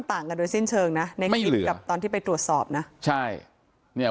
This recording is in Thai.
ต่างกันโดยสิ้นเชิงนะในคลิปกับตอนที่ไปตรวจสอบนะใช่เนี่ย